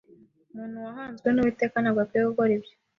umuntu wahanzwe n’uwiteka ntabwo akwiye gukora ibyo